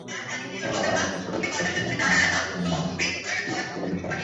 তার বাবা আবু নাসের একজন ব্যবসায়ী এবং মা জাহানারা বেগম একজন যশোর জেলা বিচারক।